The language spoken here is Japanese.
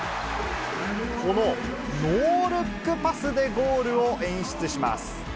このノールックパスでゴールを演出します。